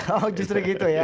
oh justru gitu ya